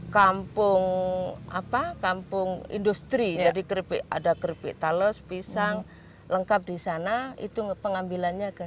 kampung apa kampung industri jadi kripik ada kripik talos pisang lengkap di sana itu pengambilannya ke